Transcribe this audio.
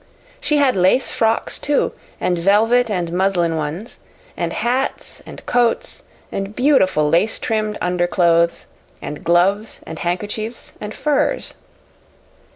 She had lace frocks, too, and velvet and muslin ones, and hats and coats and beautiful lace trimmed underclothes, and gloves and handkerchiefs and furs.